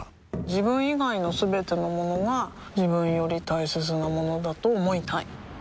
自分以外のすべてのものが自分より大切なものだと思いたい